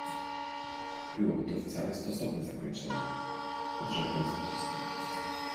— Byłoby to wcale stosowne zakończenie! — odrzekłem z naciskiem.